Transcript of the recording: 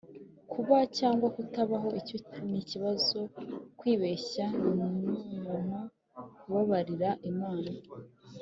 kuba cyangwa kutabaho, icyo nikibazo. kwibeshya ni umuntu; kubabarira, imana.